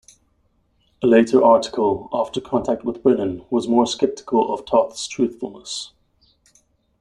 A later article, after contact with Brennan, was more skeptical of Toth's truthfulness.